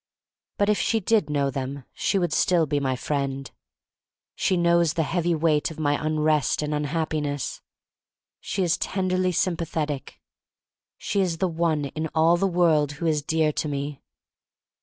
But if she did know them she would still be my friend. She knows the heavy weight of my un rest and unhappiness. She is tenderly sympathetic. She is the one in all the world who is dear to me.